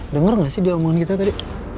dengar gak sih di omongan kita tadi